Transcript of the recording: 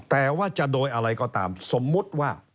แต่ว่าจะโดยอะไรก็ตามสมมุติว่า